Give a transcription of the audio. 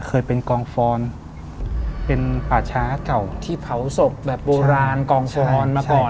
เคยเป็นกองฟอนเป็นป่าช้าเก่าที่เผาศพแบบโบราณกองฟอนมาก่อน